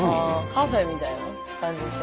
カフェみたいな感じ？